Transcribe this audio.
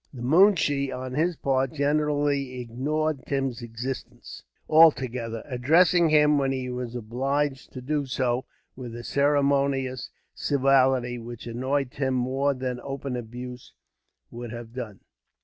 The moonshee, on his part, generally ignored Tim's existence altogether; addressing him, when obliged to do so, with a ceremonious civility which annoyed Tim more than open abuse would have done.